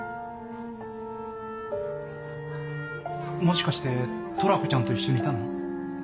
もしかしてトラコちゃんと一緒にいたの？